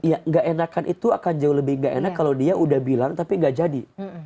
ya gak enakan itu akan jauh lebih gak enak kalau dia udah bilang tapi gak jadi